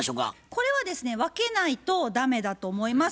これはですね分けないと駄目だと思います。